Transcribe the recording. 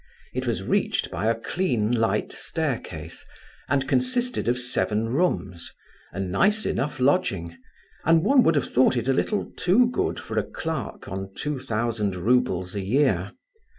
It was reached by a clean light staircase, and consisted of seven rooms, a nice enough lodging, and one would have thought a little too good for a clerk on two thousand roubles a year.